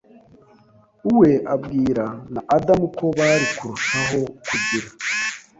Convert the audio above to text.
we abwira na Adamu ko bari kurushaho kugira